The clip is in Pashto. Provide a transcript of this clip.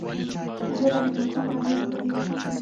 ژبه د نیکمرغه ژوند کلۍ ده